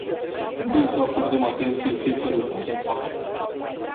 Trebuie să acordăm atenție fiecărui caz în parte.